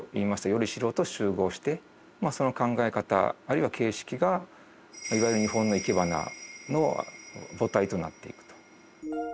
依り代と習合してその考え方あるいは形式がいわゆる日本のいけばなの母体となっていくと。